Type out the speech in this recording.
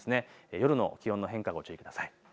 夜の気温の変化、ご注意ください。